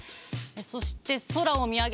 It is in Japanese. そして空を見上げて。